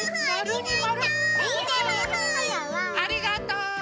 ありがとう。